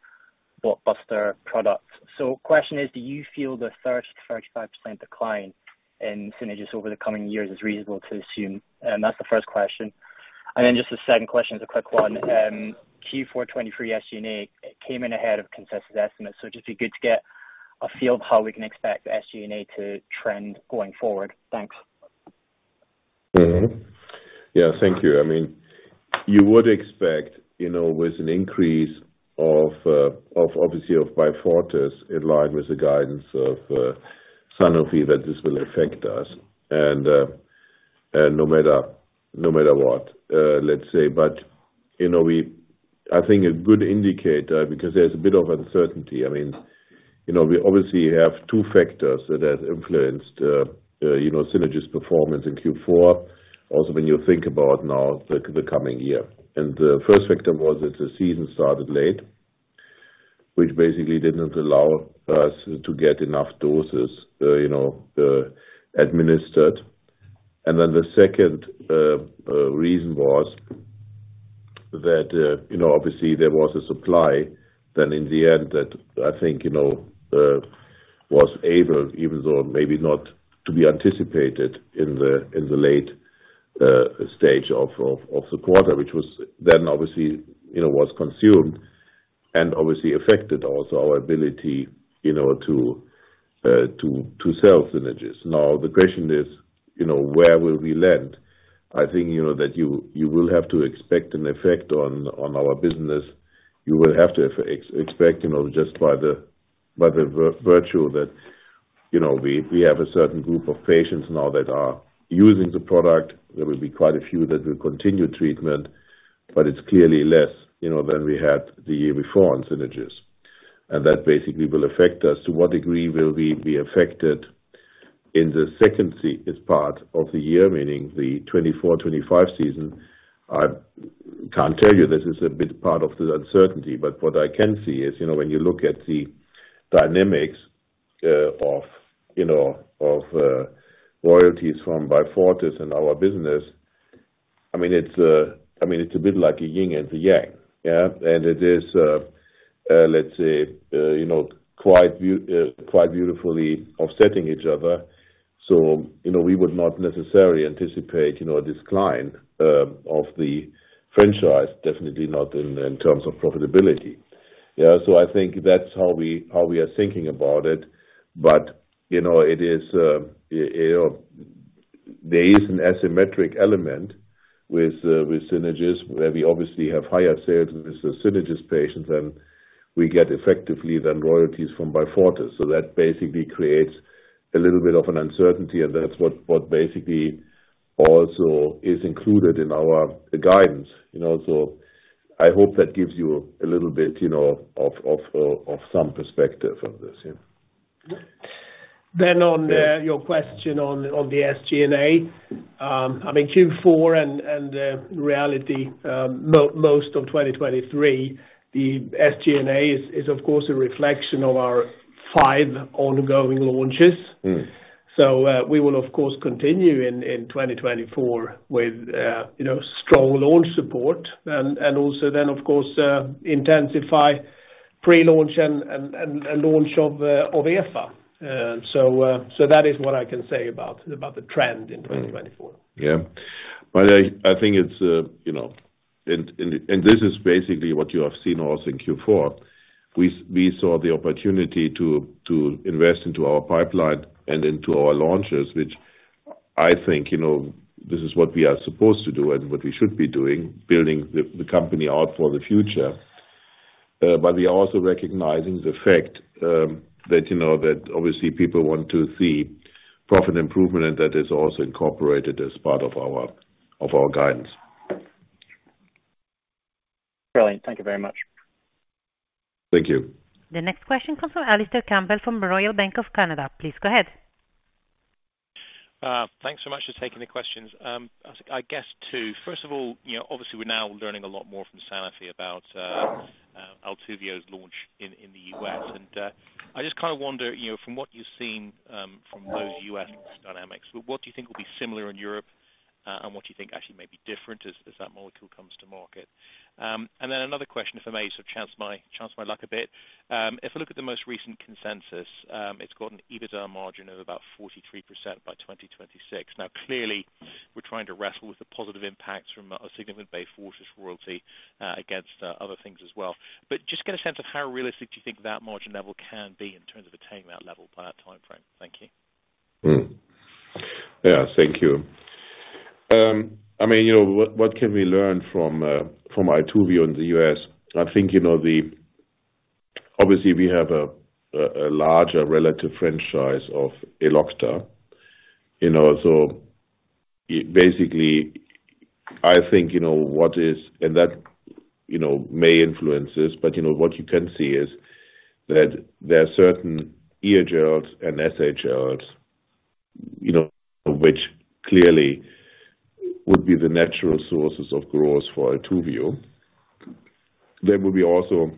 blockbuster product. So question is, do you feel the 30%-35% decline in Synagis over the coming years is reasonable to assume? And that's the first question. And then just the second question is a quick one. Q4 2023 SG&A came in ahead of consensus estimates. So it'd just be good to get a feel of how we can expect the SG&A to trend going forward. Thanks. Mm-hmm. Yeah, thank you. I mean, you would expect, you know, with an increase of, of obviously of Beyfortus, in line with the guidance of, Sanofi, that this will affect us. And, and no matter, no matter what, let's say. But, you know, we-- I think a good indicator, because there's a bit of uncertainty. I mean, you know, we obviously have two factors that have influenced, you know, Synagis's performance in Q4. Also, when you think about now, the coming year. And the first factor was that the season started late, which basically didn't allow us to get enough doses, you know, administered. Then the second reason was that, you know, obviously there was a supply, then in the end that I think, you know, was able, even though maybe not to be anticipated in the late stage of the quarter, which was then obviously, you know, consumed and obviously affected also our ability, you know, to sell Synagis. Now, the question is, you know, where will we land? I think, you know, that you will have to expect an effect on our business. You will have to expect, you know, just by the virtue that, you know, we have a certain group of patients now that are using the product. There will be quite a few that will continue treatment, but it's clearly less, you know, than we had the year before on Synagis. That basically will affect us. To what degree will we be affected in the second part of the year, meaning the 2024, 2025 season? I can't tell you. This is a big part of the uncertainty. But what I can see is, you know, when you look at the dynamics of royalties from Beyfortus and our business, I mean, it's a bit like a yin and a yang. Yeah, and it is, let's say, you know, quite a view, quite beautifully offsetting each other. So, you know, we would not necessarily anticipate, you know, a decline of the franchise, definitely not in terms of profitability. Yeah, so I think that's how we are thinking about it. But, you know, it is, you know, there is an asymmetric element with Synagis, where we obviously have higher sales with the Synagis patients than we get effectively than royalties from Beyfortus. So that basically creates a little bit of an uncertainty, and that's what basically also is included in our guidance. You know, so I hope that gives you a little bit, you know, of some perspective on this, yeah. Then, on your question on the SG&A, I mean, Q4, in reality, most of 2023, the SG&A is, of course, a reflection of our five ongoing launches. Mm. So, we will, of course, continue in 2024 with, you know, strong launch support and also then, of course, intensify pre-launch and launch of EFA. So, so that is what I can say about the trend in 2024. Yeah. But I think it's, you know, and this is basically what you have seen also in Q4. We saw the opportunity to invest into our pipeline and into our launches, which I think, you know, this is what we are supposed to do and what we should be doing, building the company out for the future. But we are also recognizing the fact that, you know, that obviously people want to see profit improvement, and that is also incorporated as part of our guidance. Brilliant. Thank you very much. Thank you. The next question comes from Alistair Campbell, from Royal Bank of Canada. Please go ahead. Thanks so much for taking the questions. I guess two. First of all, you know, obviously we're now learning a lot more from Sanofi about Altuviiio's launch in the U.S. And I just kind of wonder, you know, from what you've seen, from those U.S dynamics, what do you think will be similar in Europe, and what do you think actually may be different as that molecule comes to market? And then another question, if I may sort of chance my, chance my luck a bit. If I look at the most recent consensus, it's got an EBITDA margin of about 43% by 2026. Now, clearly, we're trying to wrestle with the positive impacts from a significant Beyfortus royalty, against other things as well. But just get a sense of how realistic do you think that margin level can be in terms of attaining that level by that timeframe? Thank you. Yeah, thank you. I mean, you know, what can we learn from Altuviiio in the U.S? I think, you know, though obviously we have a larger relative franchise of Elocta, you know, so basically, I think, you know, what is... That, you know, may influence this, but, you know, what you can see is that there are certain EHLs and SHLs, you know, which clearly would be the natural sources of growth for Altuviiio. There will be also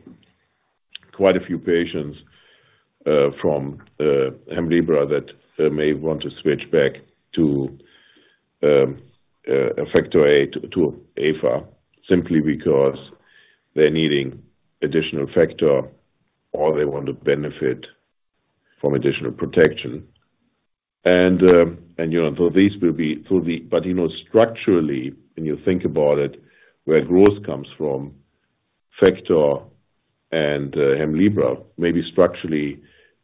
quite a few patients from Hemlibra that may want to switch back to factor VIII to Efa, simply because they're needing additional factor, or they want to benefit from additional protection. And you know, so these will be, will be, but you know, structurally, when you think about it, where growth comes from, factor and Hemlibra, maybe structurally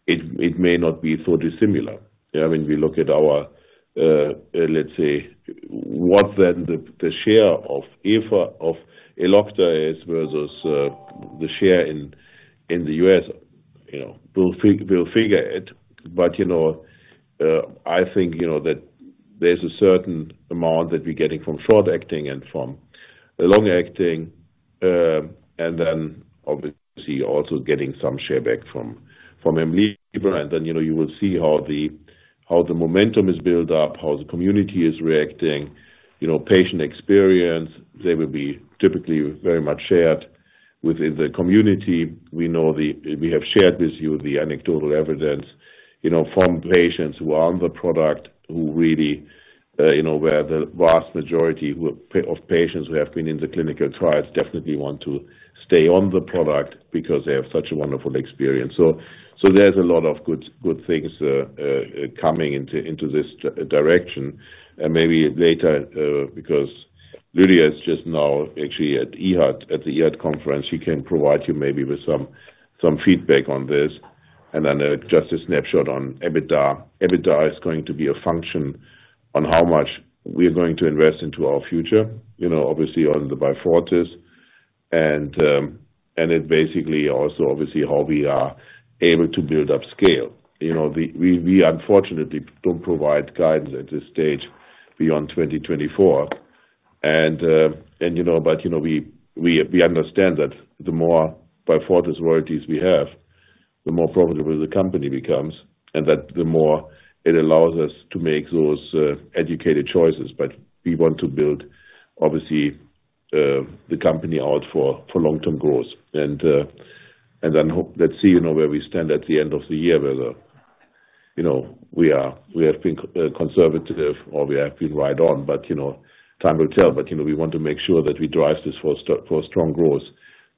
it may not be so dissimilar. Yeah, when we look at our, let's say, what then the share of Efa, of Elocta is versus the share in the U.S., you know, we'll figure it. But you know, I think you know that there's a certain amount that we're getting from short-acting and from long-acting, and then obviously also getting some share back from Hemlibra. And then you know, you will see how the momentum is built up, how the community is reacting. You know, patient experience, they will be typically very much shared within the community. We know we have shared with you the anecdotal evidence, you know, from patients who are on the product, who really, you know, where the vast majority of patients who have been in the clinical trials definitely want to stay on the product because they have such a wonderful experience. So, so there's a lot of good things coming into this direction. And maybe later, because Lydia is just now actually at EAHAD, at the EAHAD conference, she can provide you maybe with some feedback on this. And then, just a snapshot on EBITDA. EBITDA is going to be a function on how much we are going to invest into our future, you know, obviously on the Beyfortus, and it basically also obviously how we are able to build up scale. You know, we unfortunately don't provide guidance at this stage beyond 2024. And, you know, but, you know, we understand that the more Beyfortus royalties we have, the more profitable the company becomes, and that the more it allows us to make those educated choices. But we want to build, obviously, the company out for long-term growth. And, then let's see, you know, where we stand at the end of the year, whether we have been conservative or we have been right on. But, you know, time will tell. But, you know, we want to make sure that we drive this for strong growth,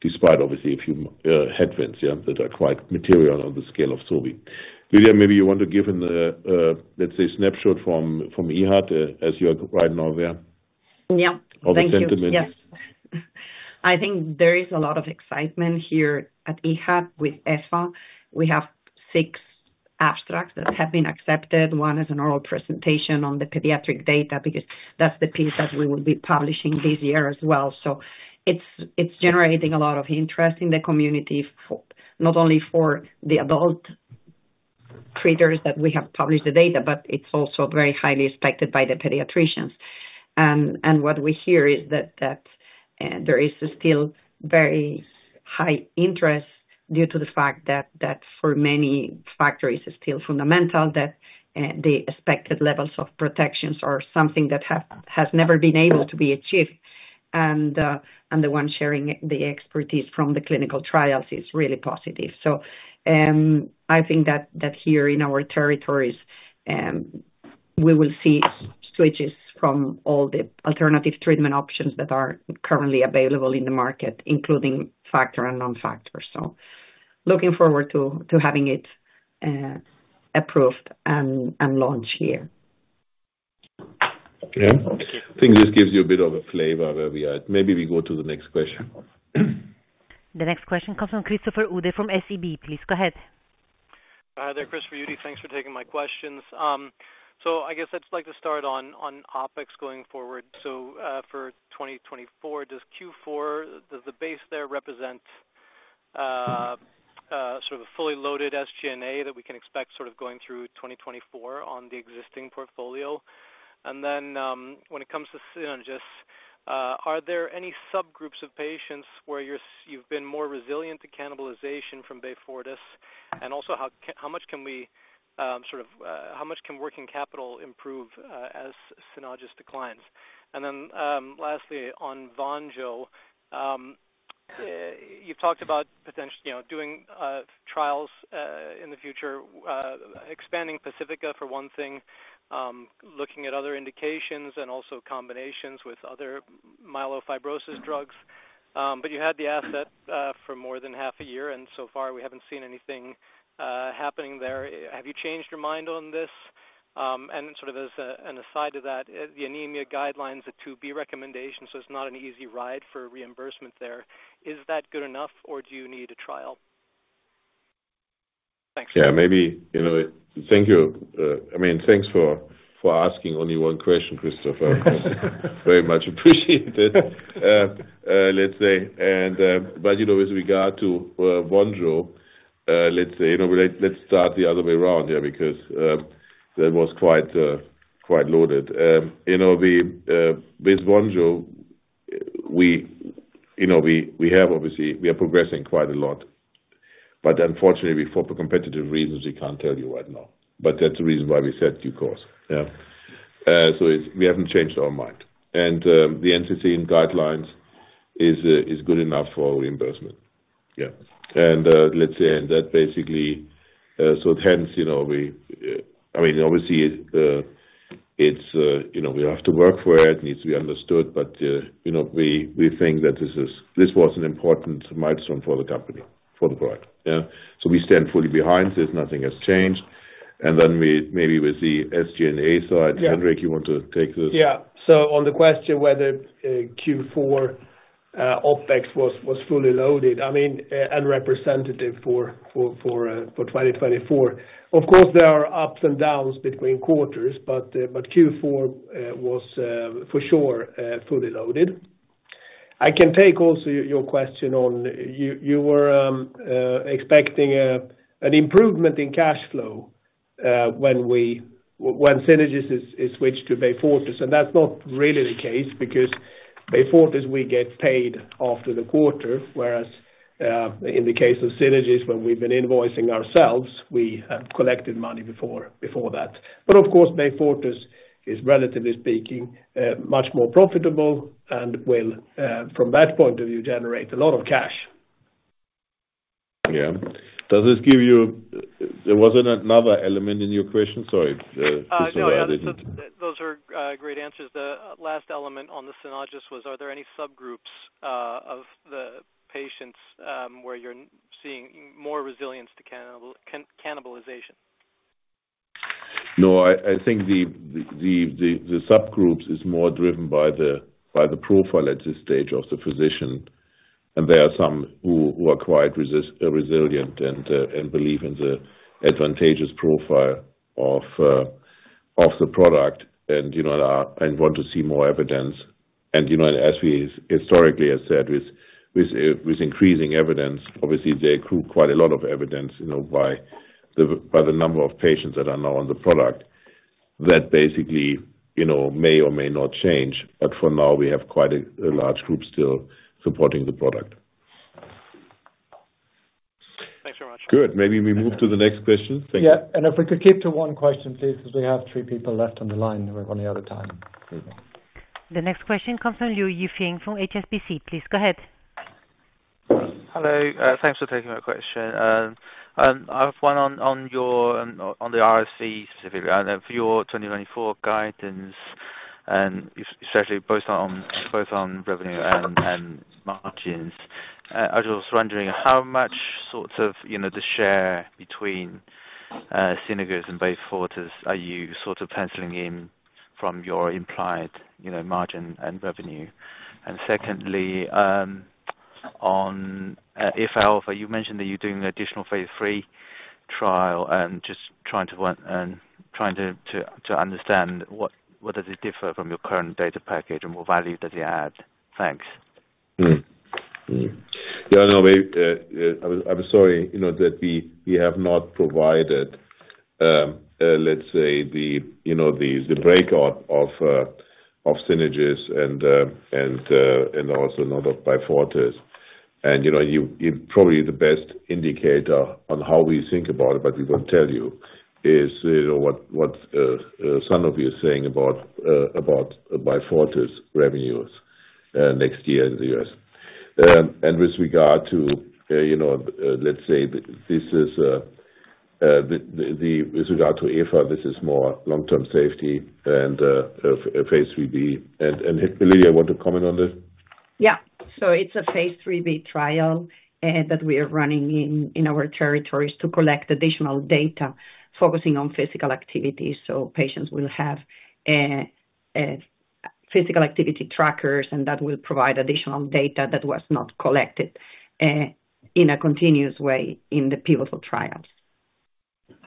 despite obviously a few headwinds, yeah, that are quite material on the scale of Sobi. Lydia, maybe you want to give them the, let's say, snapshot from, from EAHAD, as you are right now there. Yeah. Thank you. All the sentiments. Yes. I think there is a lot of excitement here at EAHAD with Efa. We have six abstracts that have been accepted. One is an oral presentation on the pediatric data, because that's the piece that we will be publishing this year as well. So it's, it's generating a lot of interest in the community for, not only for the adult treaters that we have published the data, but it's also very highly respected by the pediatricians. And what we hear is that, that there is still very high interest due to the fact that, that for many factor is still fundamental, that the expected levels of protections are something that have, has never been able to be achieved. And the one sharing the expertise from the clinical trials is really positive. So, I think that here in our territories, we will see switches from all the alternative treatment options that are currently available in the market, including factor and non-factor. Looking forward to having it approved and launched here. Yeah. I think this gives you a bit of a flavor where we are. Maybe we go to the next question. The next question comes from Christopher Uhde, from SEB. Please go ahead. ...Hi there, Chris Uhde. Thanks for taking my questions. So, I guess I'd just like to start on OpEx going forward. So, for 2024, does Q4 does the base there represent sort of a fully loaded SG&A that we can expect sort of going through 2024 on the existing portfolio? And then, when it comes to Synagis, are there any subgroups of patients where you're you've been more resilient to cannibalization from Beyfortus? And also, how much can working capital improve as Synagis declines? And then, lastly, on Vonjo, you've talked about you know, doing trials in the future, expanding Pacifica for one thing, looking at other indications and also combinations with other myelofibrosis drugs. But you had the asset for more than half a year, and so far we haven't seen anything happening there. Have you changed your mind on this? And sort of as a, an aside to that, the anemia guidelines, a 2B recommendation, so it's not an easy ride for reimbursement there. Is that good enough, or do you need a trial? Thanks. Yeah, maybe, you know, thank you. I mean, thanks for asking only one question, Christopher. Very much appreciated, let's say. But, you know, with regard to Vonjo, let's say, you know, let's start the other way around here, because that was quite loaded. You know, with Vonjo, we, you know, we have obviously, we are progressing quite a lot, but unfortunately, for competitive reasons, we can't tell you right now. But that's the reason why we set due course. Yeah. So it's- we haven't changed our mind, and the entity in guidelines is good enough for reimbursement. Yeah. And, let's say, and that basically, so hence, you know, we, I mean, obviously, it's, you know, we have to work for it. It needs to be understood, but, you know, we, we think that this is, this was an important milestone for the company, for the product. Yeah. We stand fully behind this. Nothing has changed. Then we maybe with the SG&A side, Henrik, you want to take this? Yeah. So on the question whether Q4 OpEx was fully loaded, I mean, and representative for 2024. Of course, there are ups and downs between quarters, but Q4 was for sure fully loaded. I can take also your question on you were expecting an improvement in cash flow when Synagis is switched to Beyfortus, and that's not really the case because Beyfortus, we get paid after the quarter, whereas in the case of Synagis, when we've been invoicing ourselves, we have collected money before that. But of course, Beyfortus is, relatively speaking, much more profitable and will from that point of view, generate a lot of cash. Yeah. Does this give you... There was another element in your question? Sorry, No, yeah, those are great answers. The last element on the Synagis was, are there any subgroups of the patients where you're seeing more resilience to cannibalization? No, I think the subgroups is more driven by the profile at this stage of the physician. And there are some who are quite resilient and believe in the advantageous profile of the product and, you know, and want to see more evidence. And, you know, as we historically have said, with increasing evidence, obviously they accrue quite a lot of evidence, you know, by the number of patients that are now on the product, that basically, you know, may or may not change. But for now, we have quite a large group still supporting the product. Thanks very much. Good. Maybe we move to the next question. Thank you. Yeah, and if we could keep to one question, please, because we have three people left on the line. We're running out of time. The next question comes from Liu Yifeng from HSBC. Please go ahead. Hello, thanks for taking my question. I have one on your RSV, specifically for your 2024 guidance and especially both on revenue and margins. I was just wondering how much sort of, you know, the share between Synagis and Beyfortus are you sort of penciling in from your implied, you know, margin and revenue? And secondly, on if I offer, you mentioned that you're doing additional phase III trial, and just trying to understand what does it differ from your current data package and what value does it add? Thanks. Yeah, no, we, I'm sorry, you know, that we, we have not provided, let's say the, you know, the, the breakout of Synagis and, and, and also now of Beyfortus. And, you know, you, you probably the best indicator on how we think about it, but we won't tell you is what, what some of you are saying about Beyfortus revenues next year in the U.S. And with regard to, you know, let's say this is the, the, with regard to ReFacto AF, this is more long-term safety and phase IIIb. And, and Lydia, you want to comment on this? Yeah. So it's a phase IIIb trial that we are running in our territories to collect additional data focusing on physical activity, so patients will have physical activity trackers, and that will provide additional data that was not collected in a continuous way in the pivotal trials.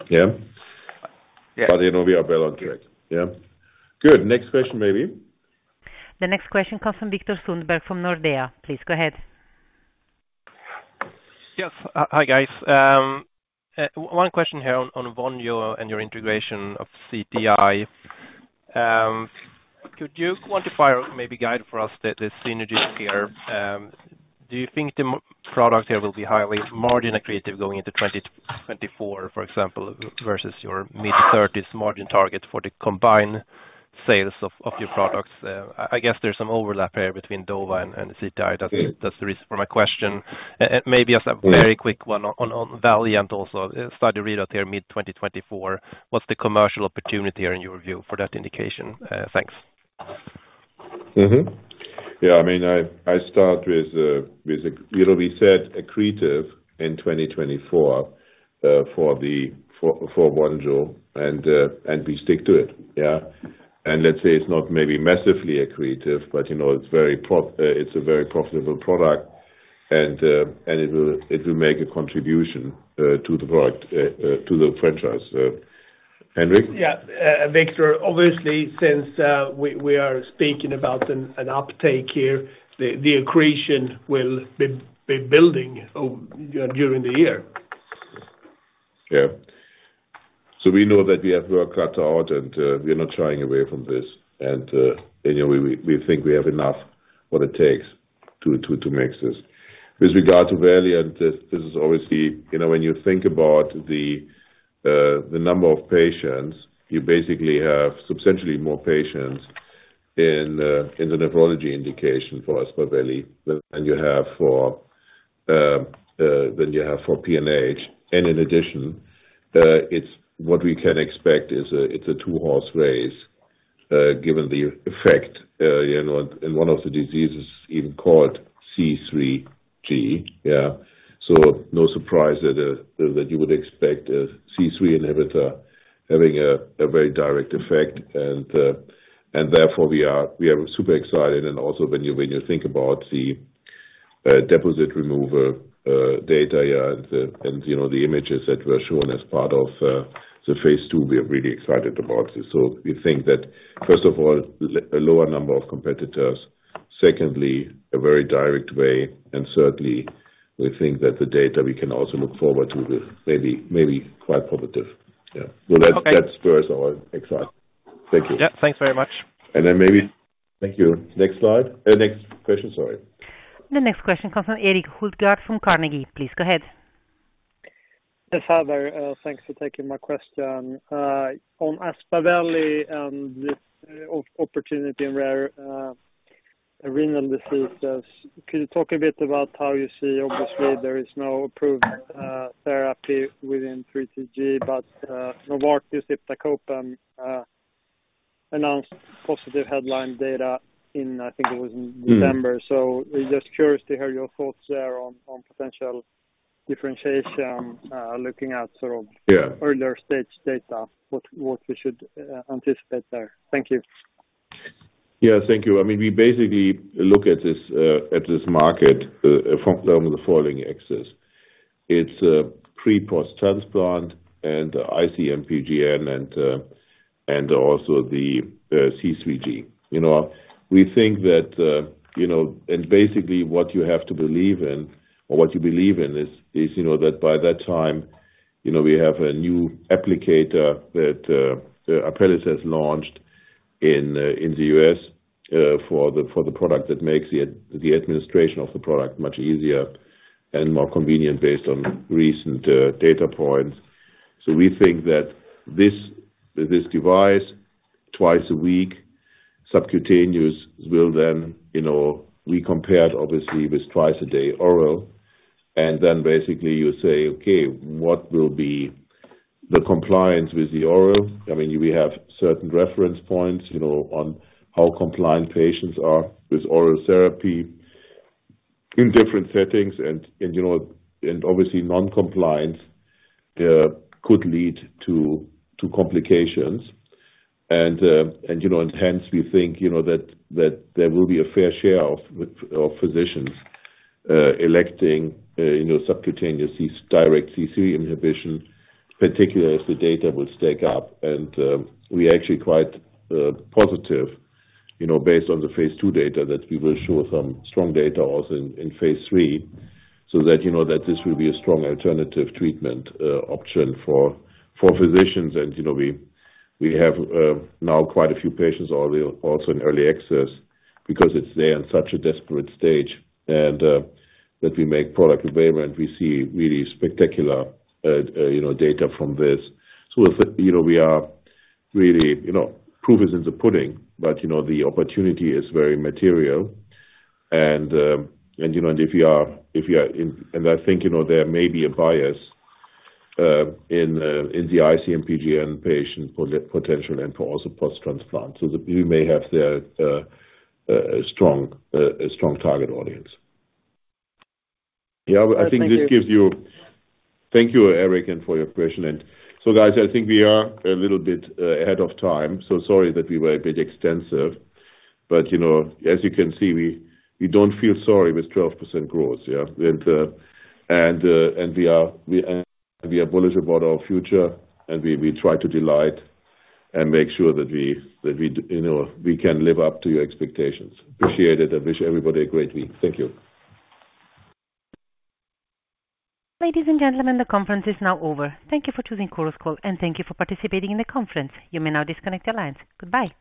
Yeah. But, you know, we are well on to it. Yeah. Good. Next question, maybe. The next question comes from Viktor Sundberg, from Nordea. Please go ahead. Yes. Hi, guys. One question here on Vonjo and your integration of CTI. Could you quantify or maybe guide for us the synergies here? Do you think the product here will be highly margin accretive going into 2024, for example, versus your mid-30s margin target for the combined sales of your products? I guess there's some overlap here between Dova and CTI. That's the reason for my question. And maybe just a very quick one on VALIANT also, start to read out here mid-2024. What's the commercial opportunity here, in your view, for that indication? Thanks. Mm-hmm. Yeah, I mean, I start with, you know, we said accretive in 2024, for Vonjo, and we stick to it, yeah? And let's say it's not maybe massively accretive, but, you know, it's a very profitable product, and it will make a contribution, to the product, to the franchise. Henrik? Yeah. Victor, obviously, since we are speaking about an uptake here, the accretion will be building during the year. Yeah. So we know that we have work cut out, and we are not shying away from this. And, you know, we think we have enough what it takes to make this. With regard to VALIANT, this is obviously, you know, when you think about the number of patients, you basically have substantially more patients in the nephrology indication, as per VALIANT, than you have for PNH. And in addition, it's what we can expect is a two-horse race, given the effect, you know, and one of the diseases even called C3G, yeah. So no surprise that you would expect a C3 inhibitor having a very direct effect, and therefore, we are super excited. And also, when you think about the deposit removal data, yeah, and you know, the images that were shown as part of the phase II, we are really excited about this. So we think that, first of all, a lower number of competitors. Secondly, a very direct way, and certainly, we think that the data we can also look forward to is maybe, maybe quite positive. Yeah. Okay. So that, that spurs our excitement. Thank you. Yeah. Thanks very much. And then maybe thank you. Next slide, next question, sorry. The next question comes from Erik Hultgård from Carnegie. Please go ahead. Yes, Harvey, thanks for taking my question. On Aspaveli, the opportunity in rare renal diseases. Can you talk a bit about how you see? Obviously, there is no approved therapy within C3G, but Novartis iptacopan announced positive headline data in, I think it was in November. Mm. So just curious to hear your thoughts there on potential differentiation, looking at sort of- Yeah.... earlier stage data, what we should anticipate there? Thank you. Yeah, thank you. I mean, we basically look at this, at this market, from the following axes. It's pre/post-transplant and IC-MPGN and, and also the C3G. You know, we think that, you know, and basically what you have to believe in or what you believe in is, is you know, that by that time, you know, we have a new applicator that Apellis has launched in, in the U.S., for the, for the product that makes the administration of the product much easier and more convenient based on recent data points. So we think that this device, twice a week, subcutaneous, will then, you know, we compared obviously with twice a day oral, and then basically you say, "Okay, what will be the compliance with the oral?" I mean, we have certain reference points, you know, on how compliant patients are with oral therapy in different settings. And you know, and obviously non-compliance could lead to complications. And you know, and hence, we think, you know, that there will be a fair share of physicians electing, you know, subcutaneous direct C3 inhibition, particularly as the data will stack up. We're actually quite positive, you know, based on the phase II data, that we will show some strong data also in phase III, so that, you know, that this will be a strong alternative treatment option for physicians. You know, we have now quite a few patients early, also in early access, because it's there in such a desperate stage, and that we make product available, and we see really spectacular, you know, data from this. You know, we are really, you know, proof is in the pudding, but, you know, the opportunity is very material. You know, if you are, if you are... I think, you know, there may be a bias in the IC-MPGN patient potential and for also post-transplant. So we may have there a strong target audience. Yeah, I think this gives you- Thank you. Thank you, Eric, and for your question. And so, guys, I think we are a little bit ahead of time. So sorry that we were a bit extensive, but, you know, as you can see, we don't feel sorry with 12% growth, yeah. And we are bullish about our future, and we try to delight and make sure that we, that we you know, we can live up to your expectations. Appreciate it, and wish everybody a great week. Thank you. Ladies and gentlemen, the conference is now over. Thank you for choosing Chorus Call, and thank you for participating in the conference. You may now disconnect your lines. Goodbye.